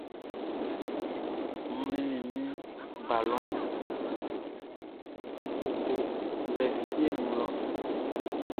N mlinnin min balɔnʼn i wun koko lɛ fieʼn nun lɔ.